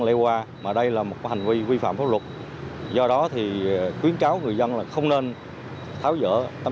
leo qua mà đây là một hành vi vi phạm pháp luật do đó khuyến cáo người dân không nên tháo gỡ tấm